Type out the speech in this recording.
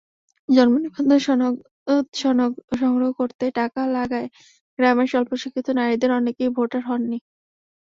জন্মনিবন্ধন সনদ সংগ্রহ করতে টাকা লাগায় গ্রামের স্বল্পশিক্ষিত নারীদের অনেকেই ভোটার হননি।